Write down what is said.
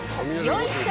よいしょ！